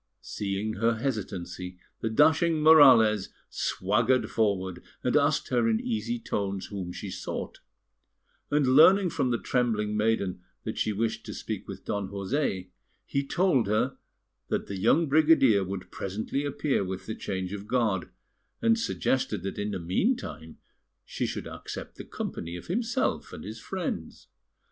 Seeing her hesitancy, the dashing Morales swaggered forward, and asked her in easy tones whom she sought; and on learning from the trembling maiden that she wished to speak with Don José, he told her that the young brigadier would presently appear with the change of guard, and suggested that in the meantime she should accept the company of himself and his friends.